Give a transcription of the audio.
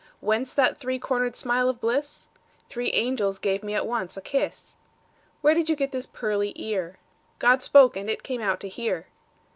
Whence that three corner'd smile of bliss? Three angels gave me at once a kiss. Where did you get this pearly ear? God spoke, and it came out to hear.